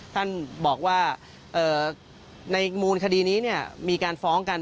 ท่านบอกว่าในมูลคดีนี้มีการฟ้องกัน